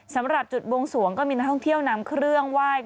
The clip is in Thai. สำหรับจุดบวงสวงก็มีนักท่องเที่ยวนำเครื่องไหว้